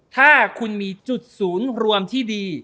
ถ้าคุณมีจุดศูนย์รวมที่ดี